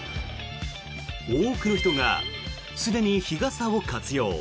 多くの人がすでに日傘を活用。